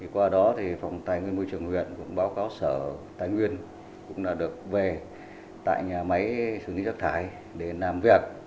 qua đó phòng tài nguyên môi trường huyện báo cáo sở tài nguyên cũng được về tại nhà máy xử lý rác thải để làm việc